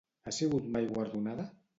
Ha sigut mai guardonada?